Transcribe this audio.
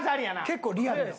結構リアルやわ。